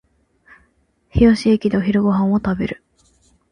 日吉駅でお昼ご飯を食べる